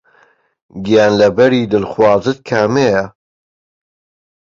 گیانلەبەری دڵخوازت کامەیە؟